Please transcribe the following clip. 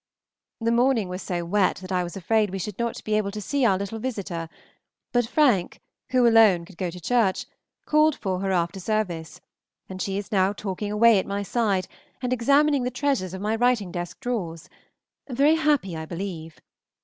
The morning was so wet that I was afraid we should not be able to see our little visitor; but Frank, who alone could go to church, called for her after service, and she is now talking away at my side and examining the treasures of my writing desk drawers, very happy, I believe.